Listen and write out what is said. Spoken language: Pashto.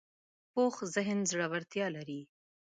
پوخ ذهن زړورتیا لري